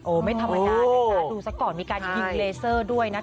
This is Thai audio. ไม่ธรรมดานะคะดูซะก่อนมีการยิงเลเซอร์ด้วยนะคะ